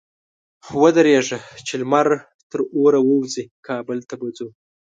ودرېږه! چې لمر تر اوره ووزي؛ کابل ته به ځو.